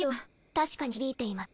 確かに響いています。